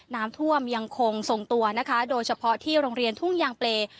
น้ำท่วมยังคงทรงตัวนะคะโดยเฉพาะที่โรงเรียนทุ่งยางเปรย์